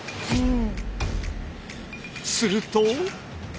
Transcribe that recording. すると。